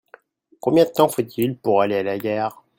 Combien de temps faut-il pour aller à la gare ?